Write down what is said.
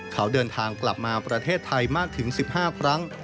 เขาเดินทางกลับมาประเทศไทยมากถึง๑๕ครั้ง